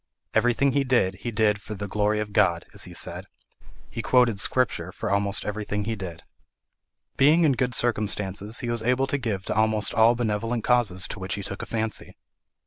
Everything he did, he did for the "glory of God," as he said: he quoted Scripture for almost everything he did. Being in good circumstances, he was able to give to almost all benevolent causes to which he took a fancy.